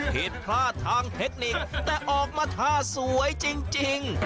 ผิดพลาดทางเทคนิคแต่ออกมาท่าสวยจริง